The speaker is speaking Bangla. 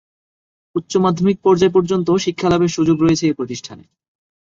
উচ্চ মাধ্যমিক পর্যায় পর্যন্ত শিক্ষালাভের সুযোগ রয়েছে এ প্রতিষ্ঠানে।